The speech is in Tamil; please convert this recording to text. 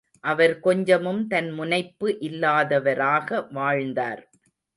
அவர் கொஞ்சமும் தன் முனைப்பு இல்லாதவராக வாழ்ந்தார்.